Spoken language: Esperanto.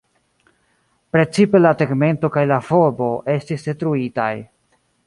Precipe la tegmento kaj la volbo estis detruitaj.